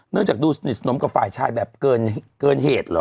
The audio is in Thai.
จากดูสนิทสนมกับฝ่ายชายแบบเกินเหตุเหรอ